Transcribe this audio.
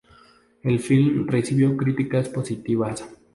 El film recibió críticas positivas.